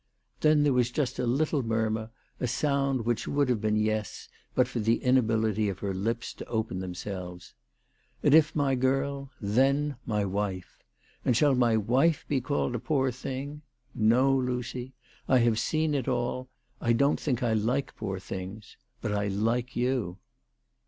" Then there was just a little murmur, a sound which would have been "yes" but for the inability of her lips to open themselves. "And if my girl, then my wife. And shall my wife be called a poor thing ? No, Lucy. I have seen it all. I don't think I like poor things ; but I like you."